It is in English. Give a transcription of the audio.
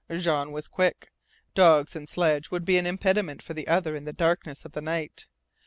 Jean was quick. Dogs and sledge would be an impediment for the other in the darkness of the night.